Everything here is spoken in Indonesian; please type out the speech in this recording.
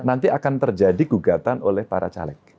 nanti akan terjadi gugatan oleh para caleg